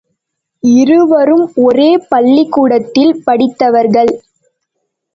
இருவரும் ஒரே பள்ளிக்கூடத்தில் படித்தவர்கள்.